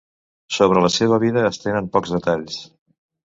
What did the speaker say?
Sobre la seva vida es tenen pocs detalls.